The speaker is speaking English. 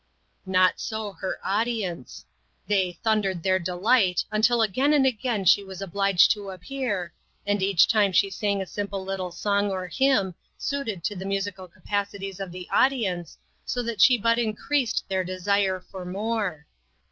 Not so her audience. They thundered their delight until again and again she was obliged to appear, and each time she sang a simple little song or hymn, suited to the musical capacities of the audience, so that she but increased their desire for more.